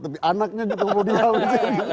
tapi anaknya juga perlu diawas